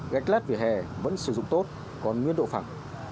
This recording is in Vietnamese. gạch lát vỉa hè vẫn sử dụng tốt còn nguyên độ phẳng